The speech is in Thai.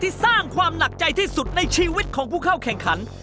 สร้างความหนักใจที่สุดในชีวิตของผู้เข้าแข่งขัน